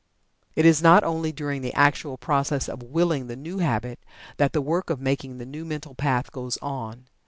It is not only during the actual process of "willing" the new habit that the work of making the new mental path goes on.